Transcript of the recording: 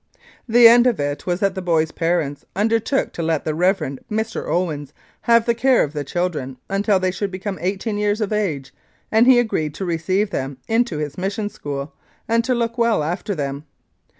The end of it was that the boys' parents undertook to let the Rev. Mr. Owens have the care of the children until they should become eighteen years of age, and he agreed to receive them into his Mission School and to look well after them.